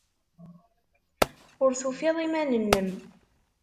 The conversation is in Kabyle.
Ur tufid iman-nnem.